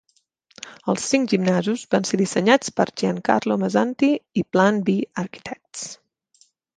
Els cinc gimnasos van ser dissenyats per Giancarlo Mazzanti i Plan B Architects.